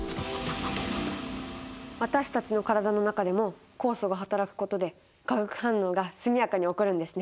私たちの体の中でも酵素がはたらくことで化学反応が速やかに起こるんですね。